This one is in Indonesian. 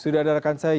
sudah ada rekan saya